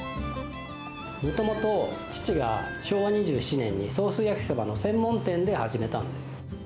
もともと父が昭和２７年に、ソース焼きそばの専門店で始めたんです。